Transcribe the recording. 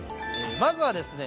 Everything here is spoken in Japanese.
まずはですね